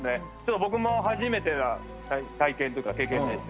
僕も初めての体験というか、経験でした。